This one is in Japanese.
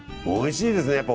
おいしいですね